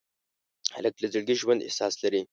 هلک له زړګي ژوندي احساس لري.